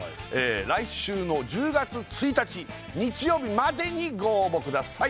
来週の１０月１日日曜日までにご応募ください